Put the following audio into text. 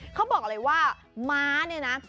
เขาบอกเลยว่าม้าเนี่ยนะ